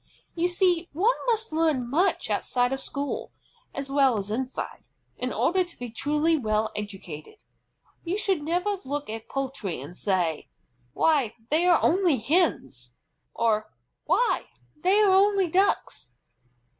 You see, one must learn much outside of school, as well as inside, in order to be truly well educated. You should never look at poultry and say, "Why, they are only Hens!" or "Why, they are only Ducks!"